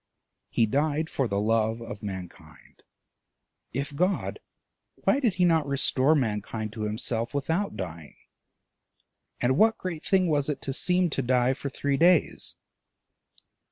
He died for love of mankind: if God, why did he not restore mankind to himself without dying? and what great thing was it to seem to die for three days?